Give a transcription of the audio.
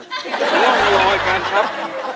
ไม่ต้องรออีกกันครับ